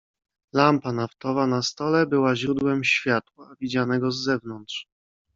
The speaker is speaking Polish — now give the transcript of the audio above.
"Lampa naftowa na stole była źródłem światła, widzianego z zewnątrz."